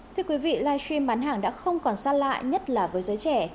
thưa quý vị live stream bán hàng đã không còn xa lạ nhất là với giới trẻ